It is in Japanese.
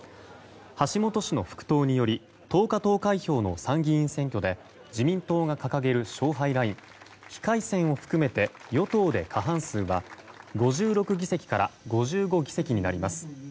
橋本氏の復党により１０日投開票の参議院選挙で自民党が掲げる勝敗ライン非改選を含めて与党で過半数は５６議席から５５議席になります。